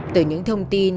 từ những thông tin